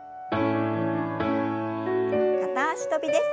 片脚跳びです。